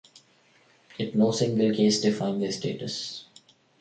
Yet no single case defined their status.